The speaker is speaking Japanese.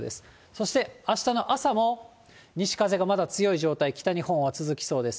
そしてあしたの朝も、西風がまだ強い状態、北日本は続きそうです。